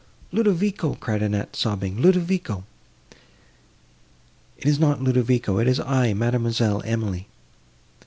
"Ludovico!" cried Annette, sobbing—"Ludovico!" "It is not Ludovico, it is I—Mademoiselle Emily."